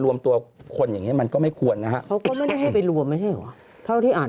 รวมตัวค่ะเหนี่ยมันก็ไม่ควรนะคะงานให้รวมถูกเขาที่อ่าน